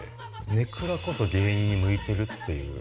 ネクラこそ芸人に向いてるっていう。